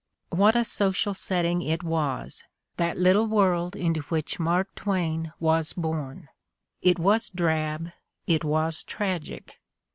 What a social setting it was, that little world into which Mark Twain was born ! It was drab, it was tragic.